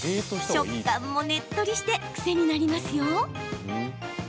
食感もねっとりして癖になりますよ。